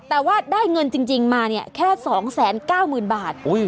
แต่ว่าได้เงินจริงจริงมาเนี่ยแค่สองแสนเก้าหมื่นบาทอุ้ย